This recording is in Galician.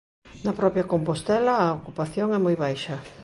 Na propia Compostela a ocupación é moi baixa.